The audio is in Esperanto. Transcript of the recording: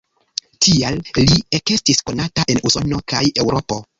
Tiel li ekestis konata en Usono kaj Eŭropo.